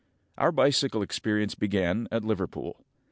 Our bicycling experience began at Liverpool.